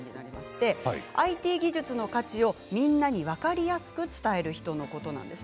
ＩＴ技術の価値をみんなに分かりやすく伝える人のことなんです。